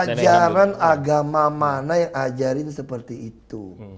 ajaran agama mana yang ajarin seperti itu